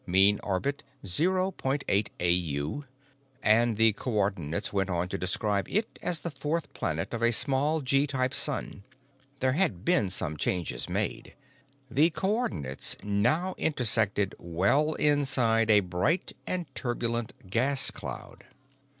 mean orbit 0.8 AU," and its co ordinates went on to describe it as the fourth planet of a small G type sun. There had been some changes made: the co ordinates now intersected well inside a bright and turbulent gas cloud.